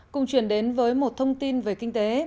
cùng chuyển đến với một thông tin về kinh tế